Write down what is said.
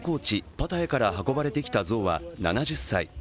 パタヤから運ばれてきたゾウは７０歳。